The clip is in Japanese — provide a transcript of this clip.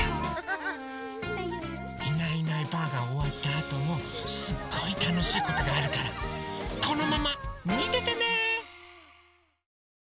「いないいないばあっ！」がおわったあともすっごいたのしいことがあるからこのままみててね！